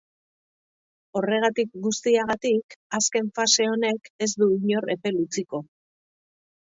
Horregatik guztiagatik, azken fase honek ez du inor epel utziko.